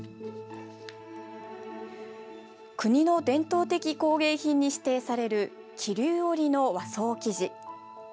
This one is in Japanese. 国の伝統的工芸品に指定される桐生織の和装生地。